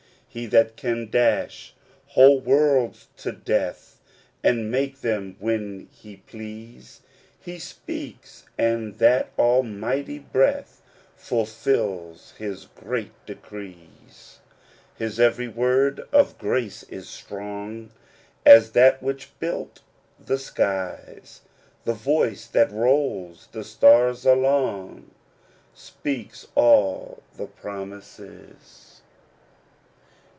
He that can dash whole worlds to death. And make them when he please ;' He speaks, and that almighty breath Fulfils his great decrees. His very word of grace is strong As that which built the skies ; The voice that rolls the stars along Speaks all the promises."